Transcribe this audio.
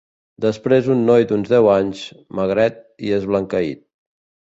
Després un noi d'uns deu anys, magret i esblanqueït.